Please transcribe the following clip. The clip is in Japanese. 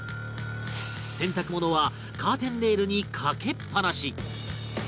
洗濯物はカーテンレールにかけっぱなし